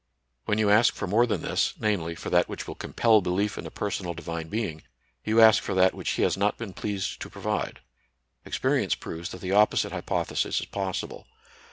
When you ask for more than this, namely, for that which will compel belief in a personal Divine Being, you ask for that which He has not been pleased to provide. Experience proves that the opposite hypothesis is possible.